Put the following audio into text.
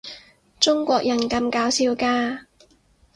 中國人咁搞笑㗎